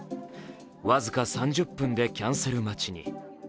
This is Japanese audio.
僅か３０分でキャンセル待ちに。